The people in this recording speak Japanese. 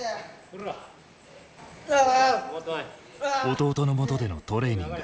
弟のもとでのトレーニング。